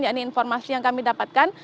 yaitu informasi yang kami dapatkan